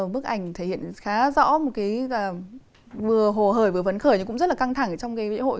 bức ảnh thể hiện khá rõ một cái vừa hồ hời vừa vấn khởi thì cũng rất là căng thẳng trong cái lễ hội